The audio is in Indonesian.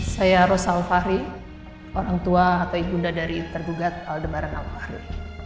saya ros al fahri orang tua atau ibunda dari terdugat aldebaran al fahri